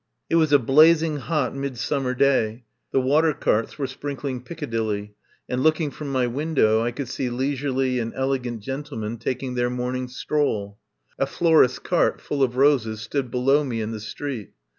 It was a blazing hot midsummer day. The water carts were sprinkling Piccadilly, and looking from my window I could see lei surely and elegant gentlemen taking their morning stroll. A florist's cart full of roses stood below me in the street.